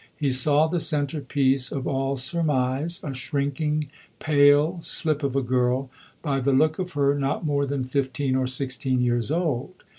He saw the centre piece of all surmise, a shrinking, pale slip of a girl, by the look of her not more than fifteen or sixteen years old.